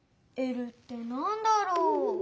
「Ｌ」ってなんだろう？